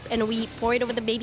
dan kita mencobanya di wajah bayi